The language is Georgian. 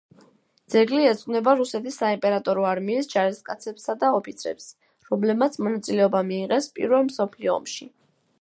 ძეგლი ეძღვნება რუსეთის საიმპერატორო არმიის ჯარისკაცებსა და ოფიცრებს, რომლებმაც მონაწილეობა მიიღეს პირველ მსოფლიო ომში.